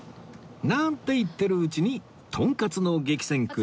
なんて言ってるうちにとんかつの激戦区